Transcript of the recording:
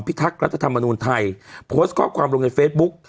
ทักษ์รัฐธรรมนูญไทยโพสต์ข้อความลงในเฟซบุ๊ก